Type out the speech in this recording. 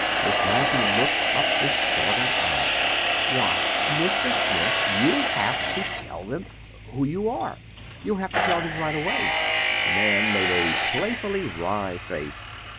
Miss Maggie looked up with startled eyes. "Why, Mr. Smith, you'll have to tell them—who you are. You'll have to tell them right away." The man made a playfully wry face.